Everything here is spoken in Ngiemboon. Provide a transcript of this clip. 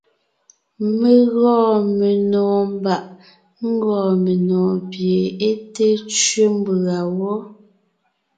Mé gɔɔn menɔ̀ɔn mbàʼ ńgɔɔn menɔ̀ɔn pie é té tsẅé mbʉ̀a wɔ́.